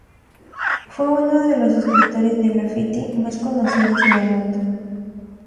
Fue uno de los escritores de graffiti más conocidos en el mundo.